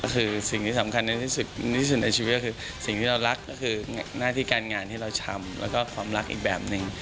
ก็คือสิ่งที่สำคัญที่สุดที่สุดในชีวิตก็คือสิ่งที่เรารักก็คือหน้าที่การงานที่เราทำแล้วก็ความรักอีกแบบหนึ่ง